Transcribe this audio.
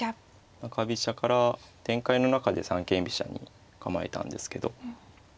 中飛車から展開の中で三間飛車に構えたんですけど。